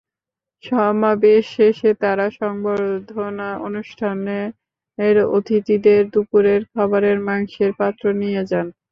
সমাবেশ শেষে তাঁরা সংবর্ধনা অনুষ্ঠানের অতিথিদের দুপুরের খাবারের মাংসের পাত্র নিয়ে যান।